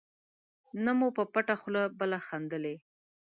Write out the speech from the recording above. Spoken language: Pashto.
نه مو په پټه خوله بله خندلي.